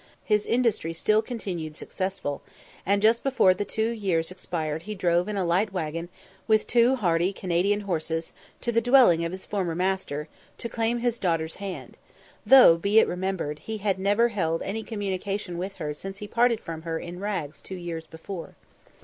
His industry still continued successful, and just before the two years expired he drove in a light waggon, with two hardy Canadian horses, to the dwelling of his former master, to claim his daughter's hand; though, be it remembered, he had never held any communication with her since he parted from her in rags two years before.